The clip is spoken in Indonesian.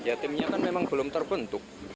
ya timnya kan memang belum terbentuk